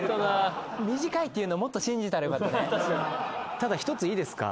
ただ一ついいですか？